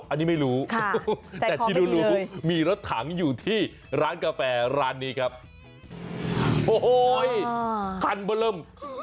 อันนี้ไม่รู้แต่ที่รู้รู้มีรถถังอยู่ที่ร้านกาแฟร้านนี้ครับโอ้โหคันเบอร์เริ่ม